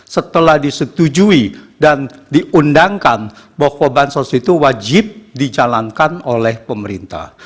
setelah disetujui dan diundangkan bahwa bansos itu wajib dijalankan oleh pemerintah